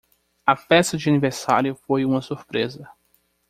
A festa de aniversário foi uma surpresa.